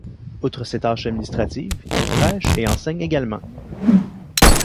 Outre ses tâches administratives, il prêche et enseigne également.